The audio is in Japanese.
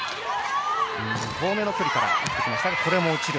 遠めの距離から打ってきましたが落ちる。